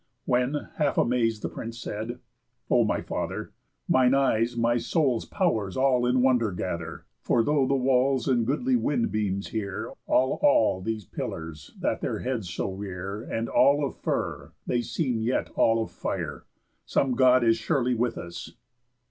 When, half amaz'd, the prince said: "O my father, Mine eyes my soul's pow'rs all in wonder gather, For though the walls, and goodly wind beams here, All all these pillars, that their heads so rear, And all of fir, they seem yet all of fire. Some God is surely with us."